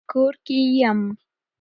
په کور کي يم .